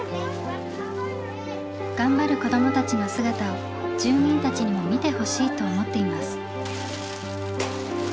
頑張る子どもたちの姿を住民たちにも見てほしいと思っています。